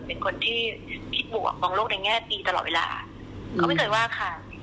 เป็นคนที่คิดบวกมองโลกในแง่ดีตลอดเวลาเขาไม่เคยว่าค่ะ